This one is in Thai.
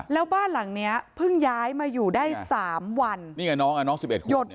แล้วบ้านหลังเนี้ยเพิ่งย้ายมาอยู่ได้สามวันนี่กับน้องอ่ะน้องสิบเอ็ดครบเนี่ย